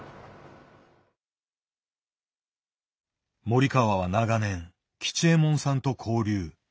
森川は長年吉右衛門さんと交流。